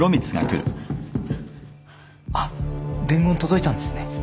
あっ伝言届いたんですね。